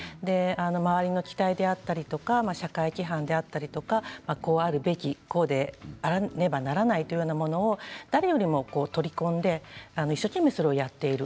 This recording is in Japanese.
周りの期待や社会規範やこうあるべき、こうあらねばならないみたいなものを誰よりも取り込んで一生懸命それをやっている。